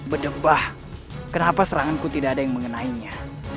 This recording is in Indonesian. berdebah kenapa seranganku tidak ada yang mengenainya